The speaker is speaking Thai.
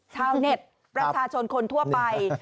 ชาวเน็ตประชาชนคนทั่วไป